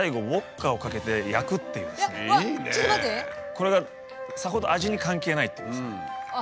これがさほど味に関係ないっていう。